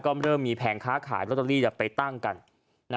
ก็เริ่มมีแผงค้าขายลอตเตอรี่ไปตั้งกัน